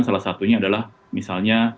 salah satunya adalah misalnya